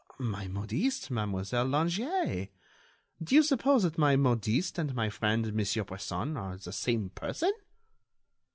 My modiste, Mademoiselle Langeais. Do you suppose that my modiste and my friend Monsieur Bresson are the same person?"